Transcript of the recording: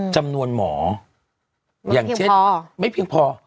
จำนวนหมออย่างเช่นไม่เพียงพอ